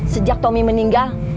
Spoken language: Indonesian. sejak tommy meninggal